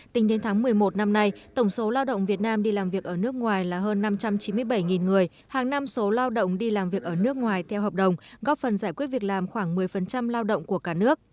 tính đến tháng một mươi một năm nay tổng số lao động việt nam đi làm việc ở nước ngoài là hơn năm trăm chín mươi bảy người hàng năm số lao động đi làm việc ở nước ngoài theo hợp đồng góp phần giải quyết việc làm khoảng một mươi lao động của cả nước